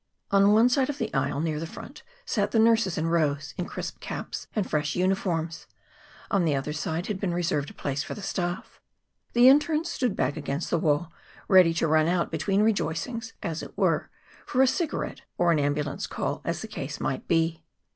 On one side of the aisle, near the front, sat the nurses in rows, in crisp caps and fresh uniforms. On the other side had been reserved a place for the staff. The internes stood back against the wall, ready to run out between rejoicings, as it were for a cigarette or an ambulance call, as the case might be.